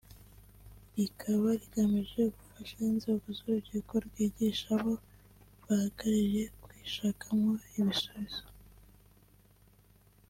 rikaba rigamije gufasha inzego z’urubyiruko kwigisha abo bahagarariye kwishakamo ibisubizo